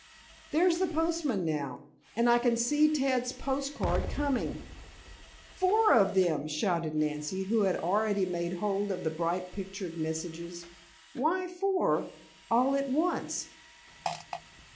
There's the postman now. And I can see Ted's postcard coming!" "Four of them!" shouted Nancy, who had already made hold the bright pictured messages. "Why four, all at once?"